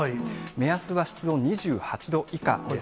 目安は室温２８度以下です。